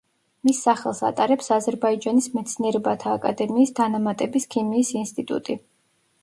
მის სახელს ატარებს აზერბაიჯანის მეცნიერებათა აკადემიის დანამატების ქიმიის ინსტიტუტი.